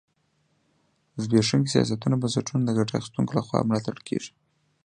زبېښونکي سیاسي بنسټونه د ګټه اخیستونکو لخوا ملاتړ کېږي.